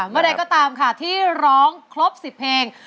มาได้ก็ตามค่ะที่ร้องครบสิบเพลง